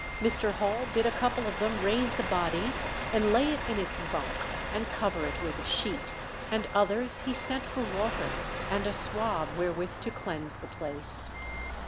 Mr. Hall bid a couple of them raise the body and lay it in its bunk and cover it with a sheet, and others he sent for water and a swab wherewith to cleanse the place.